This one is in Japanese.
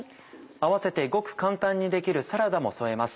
併せてごく簡単にできるサラダも添えます。